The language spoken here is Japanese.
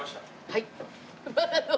はい。